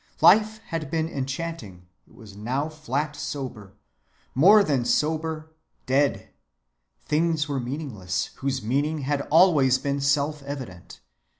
Life had been enchanting, it was now flat sober, more than sober, dead. Things were meaningless whose meaning had always been self‐evident.